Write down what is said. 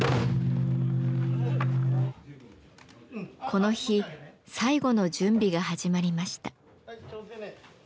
この日最後の準備が始まりました。